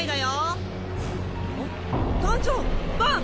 バン！